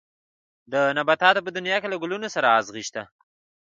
د نباتاتو په دنيا کې له ګلونو سره ازغي شته.